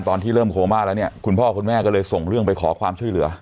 ตอนที่เริ่มโคม่าแล้วเนี่ยคุณพ่อคุณแม่ก็เลยส่งเรื่องไปขอความช่วยเหลือ